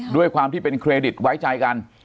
ด้วยความที่เป็นเครดิตไว้ใจกัน